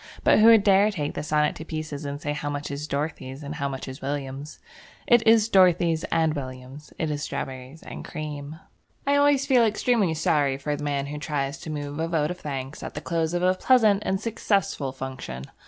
But who would dare to take the sonnet to pieces and say how much is Dorothy's, and how much is William's? It is Dorothy's and William's. It is strawberries and cream. I always feel extremely sorry for the man who tries to move a vote of thanks at the close of a pleasant and successful function.